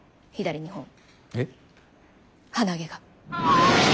鼻毛が。